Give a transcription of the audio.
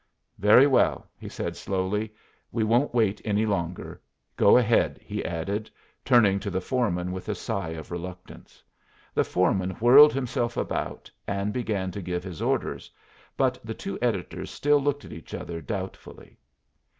"Very well," he said, slowly, "we won't wait any longer. Go ahead," he added, turning to the foreman with a sigh of reluctance. The foreman whirled himself about, and began to give his orders; but the two editors still looked at each other doubtfully.